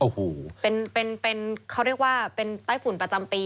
เขาเรียกว่าเป็นแป้ฝุ่นประจำปี